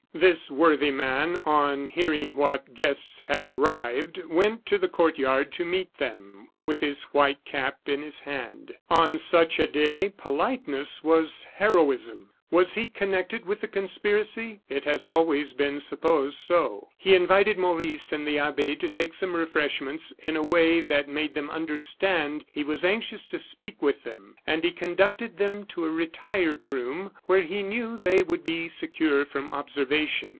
This worthy man, on hearing what guests had arrived, went to the court yard to meet them, with his white cap in his hand. On such a day politeness was heroism. Was he connected with the conspiracy? It has always been supposed so. He invited Maurice and the abbe to take some refreshments in a way that made them understand he was anxious to speak with them, and he conducted them to a retired room where he knew they would be secure from observation.